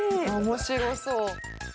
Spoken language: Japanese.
面白そう。